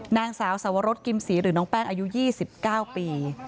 นางสาวสวรสกิมศรีหรือน้องแป้งอายุ๒๙ปี